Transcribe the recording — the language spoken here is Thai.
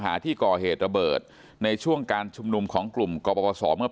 ที่ก่อเหตุระเบิดในช่วงการชุมนุมของกลุ่มกรปศเมื่อ